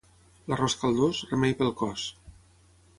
L'arròs caldós, remei pel cos.